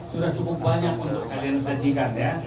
sudah cukup banyak untuk kalian sajikan ya